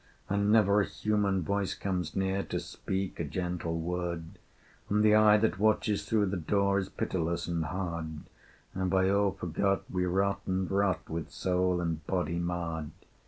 And never a human voice comes near To speak a gentle word: And the eye that watches through the door Is pitiless and hard: And by all forgot, we rot and rot, With soul and body marred.